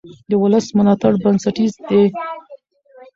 د ولس ملاتړ بنسټیز دی